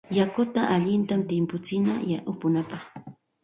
Yakuta allinta timputsina upunapaq.